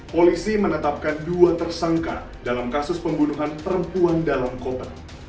polisi menetapkan dua tersangka dalam kasus pembunuhan perempuan dalam korban